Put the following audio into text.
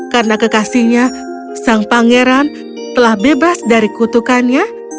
karena kekasihnya sang pangeran telah bebas dari kutukannya